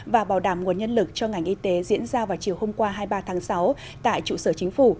và bảo đảm nguồn nhân lực cho ngành y tế diễn ra vào chiều hôm qua hai mươi ba tháng sáu tại trụ sở chính phủ